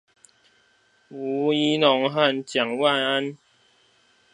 吳怡農和蔣萬安